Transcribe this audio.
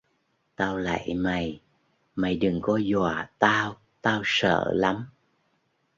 Tao lạy mày Mày đừng có dọa tao tao sợ lắm